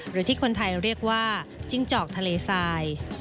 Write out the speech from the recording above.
หรือที่คนไทยเรียกว่าจิ้งจอกทะเลทราย